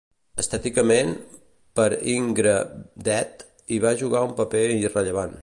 Estèticament, Per Yngve "Dead" hi va jugar un paper irrellevant.